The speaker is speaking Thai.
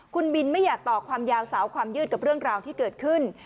คุณบินไม่อยากต่อความยาวสาวความยืดกับเรื่องราวที่เกิดขึ้น